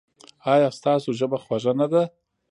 ایا ستاسو ژبه خوږه نه ده؟